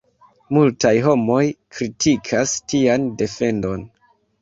Multaj homoj kritikas tian defendon.